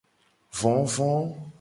Vovo.